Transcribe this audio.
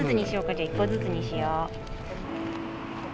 じゃあ一個ずつにしよう。